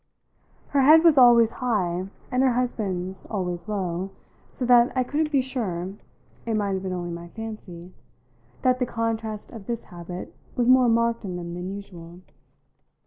Her head was always high and her husband's always low, so that I couldn't be sure it might have been only my fancy that the contrast of this habit was more marked in them than usual.